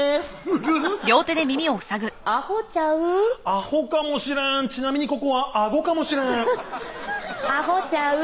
アホかもしれんちなみにここはアゴかもしれんアホちゃう？